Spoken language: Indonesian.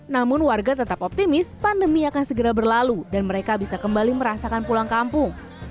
namun warga tetap optimis pandemi akan segera berlalu dan mereka bisa kembali merasakan pulang kampung